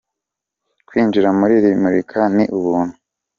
Kwinjira muri iri murika ni ubuntu.